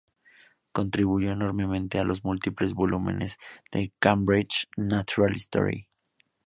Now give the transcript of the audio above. Contribuyó enormemente a los múltiples volúmenes de "Cambridge Natural History".